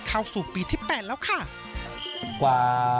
เข้าสู่ปีที่๘แล้วค่ะ